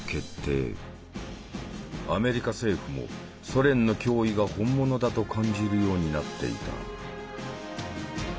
アメリカ政府もソ連の脅威が本物だと感じるようになっていた。